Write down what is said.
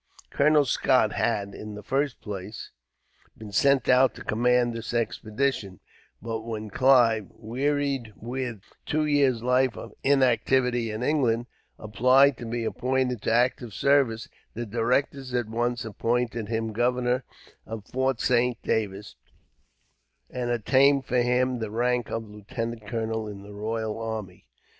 Colonel Scott had, in the first place, been sent out to command this expedition; but when Clive, wearied with two years' life of inactivity in England, applied to be appointed to active service, the directors at once appointed him governor of Fort Saint David, and obtained for him the rank of lieutenant colonel in the royal army.